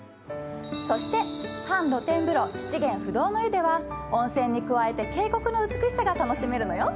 そして半露天風呂七弦不動の湯では温泉に加えて渓谷の美しさが楽しめるのよ。